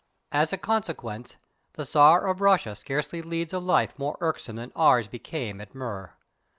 As a consequence, the Tsar of Russia scarcely leads a life more irksome than ours became at Mur.